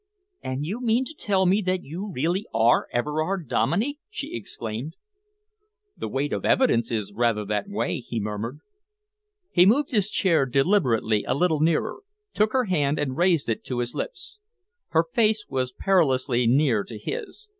"And you mean to tell me that you really are Everard Dominey?" she exclaimed. "The weight of evidence is rather that way," he murmured. He moved his chair deliberately a little nearer, took her hand and raised it to his lips. Her face was perilously near to his.